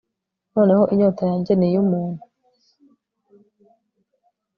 Noneho inyota yanjye ni iyumuntu